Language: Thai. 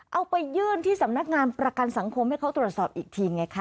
เอาไปยื่นที่สำนักงานประกันสังคมให้เขาตรวจสอบอีกทีไงคะ